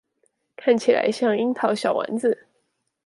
看起來像櫻桃小丸子